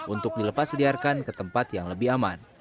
untuk dilepas liarkan ke tempat yang lebih aman